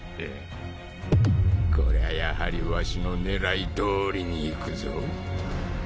これはやはりわしの狙いどおりにいくぞ。